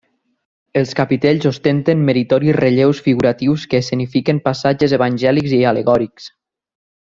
Els capitells ostenten meritoris relleus figuratius que escenifiquen passatges evangèlics i al·legòrics.